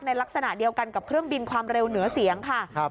ลักษณะเดียวกันกับเครื่องบินความเร็วเหนือเสียงค่ะ